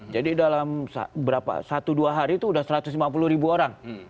jadi dalam satu dua hari itu udah satu ratus lima puluh ribu orang